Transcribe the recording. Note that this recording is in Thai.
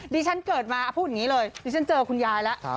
ที่ฉันเกิดมาพูดอย่างนี้เลยดิฉันเจอคุณยายแล้ว